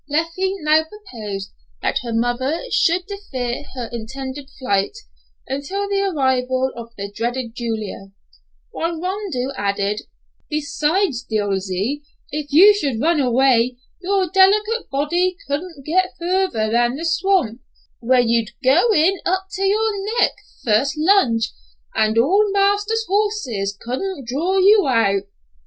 Leffie now proposed that her mother should defer her intended flight until the arrival of the dreaded Julia, while Rondeau added, "Besides, Dilsey, if you should run away your delicate body couldn't get further than the swamp, where you'd go in up to your neck first lunge, and all marster's horses couldn't draw you out."